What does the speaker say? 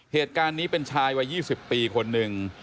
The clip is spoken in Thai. เหตุการณ์นี้เป็นชายวัย๒๐ปีคนหนึ่ง